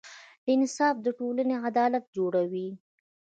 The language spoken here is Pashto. انصاف د ټولنې عدالت جوړوي.